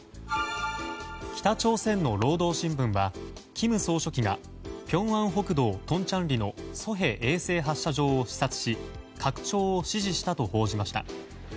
北朝鮮の労働新聞は金総書記がピョンアン北道トンチャンリのソヘ衛星発射場を視察し拡張を指示したと報じました。